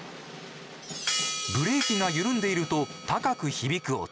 ブレーキが緩んでいると高く響く音。